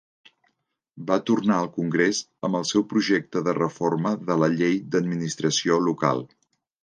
Va tornar al Congrés amb el seu projecte de reforma de la Llei d'Administració Local.